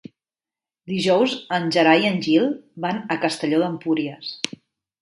Dijous en Gerai i en Gil van a Castelló d'Empúries.